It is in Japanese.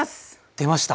出ました！